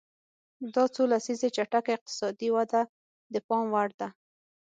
دا څو لسیزې چټکه اقتصادي وده د پام وړ ده.